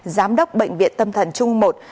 giám đốc bệnh viện tâm thần trung ương một